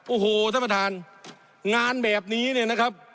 โอ้โหท่านประธานงานแบบนี้เนี่ยนะครับ